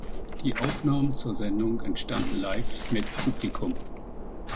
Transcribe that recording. Die Aufnahmen zur Sendung entstanden live mit Publikum.